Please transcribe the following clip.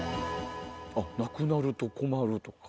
「なくなると困る」とか。